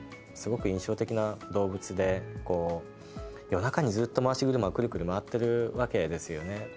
すごく印象的な動物で夜中にずっと回し車をくるくる回ってるわけですよね。